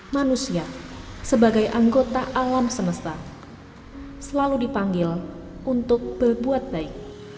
manusia sebagai anggota alam semesta selalu dipanggil untuk berbuat baik